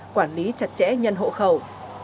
quản lý chặt chẽ nhân hộ khẩu